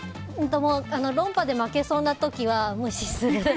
論破で負けそうな時は無視する。